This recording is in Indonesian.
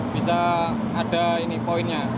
bisa ada ini poinnya